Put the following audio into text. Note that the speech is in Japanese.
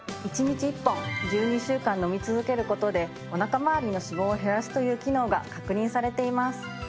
１日１本１２週間飲み続ける事でお腹まわりの脂肪を減らすという機能が確認されています。